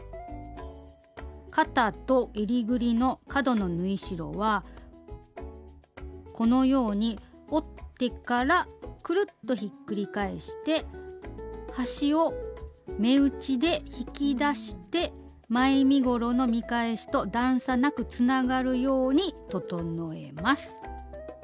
肩とえりぐりの角の縫い代はこのように折ってからくるっとひっくり返して端を目打ちで引き出して前身ごろの見返しと段差なくつながるように整えます。